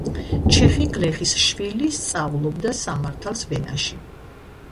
ჩეხი გლეხის შვილი, სწავლობდა სამართალს ვენაში.